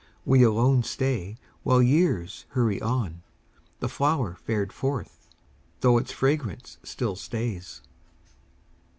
We alone stay While years hurry on, The flower fared forth, though its fragrance still stays.